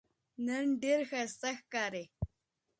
نن ډېره ښایسته ښکارې